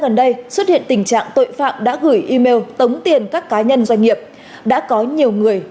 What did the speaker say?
gần đây xuất hiện tình trạng tội phạm đã gửi email tống tiền các cá nhân doanh nghiệp đã có nhiều người